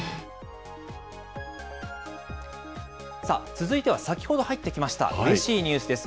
続いては先ほど入ってきましたうれしいニュースです。